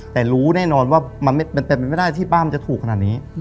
แต่รู้แน่นอนว่ามันเป็นไปไม่ได้ที่ป้ามันจะถูกขนาดนี้